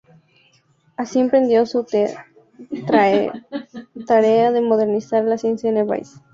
Así emprendió su tarea de modernizar la ciencia en el país.